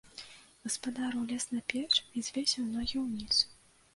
Гаспадар узлез на печ і звесіў ногі ўніз.